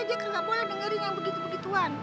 dia gak boleh dengerin yang begitu begituan